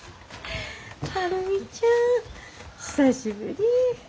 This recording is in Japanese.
晴海ちゃん久しぶり。